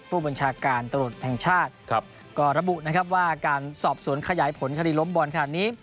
ผู้บัญชาการตรวจแห่งชาติก็ระบุนะครับว่าการสอบสวนขยายผลคดีล้มบอลขนาดนี้